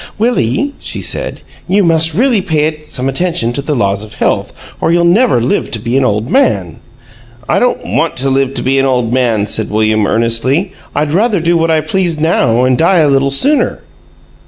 "Willie," she said, "you must really pay some attention to the laws of health, or you'll never live to be an old man." "I don't want to live to be an old man," said William, earnestly. "I'd rather do what I please now and die a little sooner."